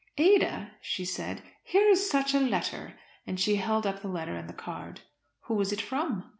"Ada," she said, "here is such a letter;" and she held up the letter and the card. "Who is it from?"